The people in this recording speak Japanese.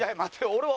俺は。